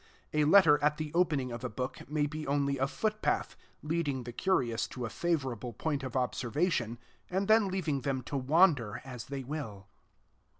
A letter at the opening of a book may be only a footpath, leading the curious to a favorable point of observation, and then leaving them to wander as they will.